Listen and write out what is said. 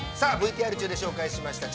ＶＴＲ中で紹介しました